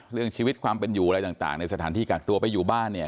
เรื่องชีวิตความเป็นอยู่อะไรต่างในสถานที่กักตัวไปอยู่บ้านเนี่ย